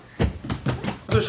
どうした。